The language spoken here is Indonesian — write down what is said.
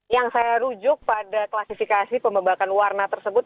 yang saya rujuk pada klasifikasi pembebakan warna tersebut